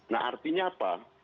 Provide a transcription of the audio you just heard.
nah artinya apa